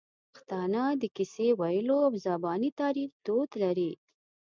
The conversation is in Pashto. پښتانه د کیسې ویلو او زباني تاریخ دود لري.